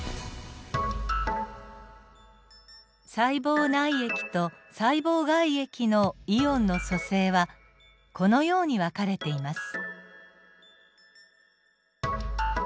細胞内液と細胞外液のイオンの組成はこのように分かれています。